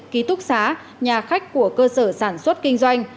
ký túc xá nhà khách của cơ sở sản xuất kinh doanh